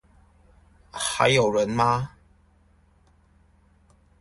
還有人嗎？